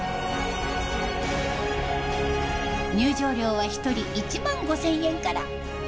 入場料は１人１万５０００円から。